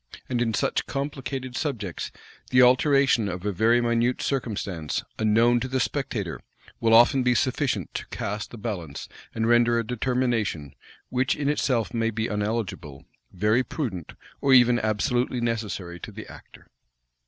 And in such complicated subjects, the alteration of a very minute circumstance, unknown to the spectator, will often be sufficient to cast the balance, and render a determination, which in itself may be uneligible, very prudent, or even absolutely necessary to the actor.